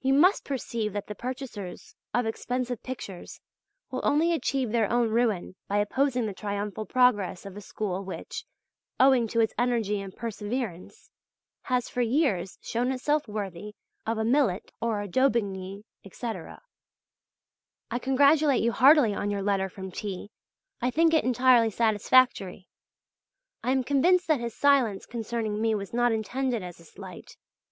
You must perceive that the purchasers of expensive pictures will only achieve their own ruin by opposing the triumphal progress of a school which, owing to its energy and perseverance, has for years shown itself worthy of a Millet or a Daubigny, etc. I congratulate you heartily on your letter from T. I think it entirely satisfactory. I am convinced that his silence concerning me was not intended as a slight.